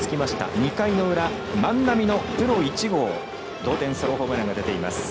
２回の裏、万波のプロ１号同点ソロホームランが出ています。